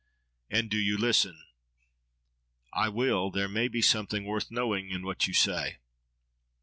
And, do you listen. —I will; there may be something worth knowing in what you will say.